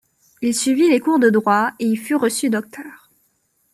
Il suivit les cours de droit et y fut reçu docteur.